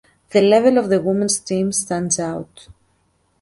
The level of the women’s teams stands out.